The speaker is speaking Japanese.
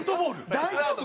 大丈夫か？